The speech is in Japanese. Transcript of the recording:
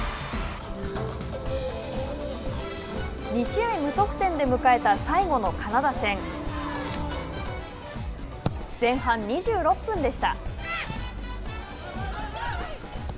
２試合無得点で迎えた最後のカナダ戦。前半２６分でした。